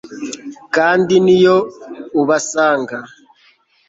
Kandi niyo ubasanga